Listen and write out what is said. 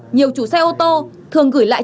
nhiều chủ xe ô tô thường gửi lại